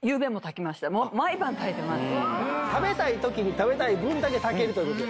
食べたい時に食べたい分だけ炊けるという事で。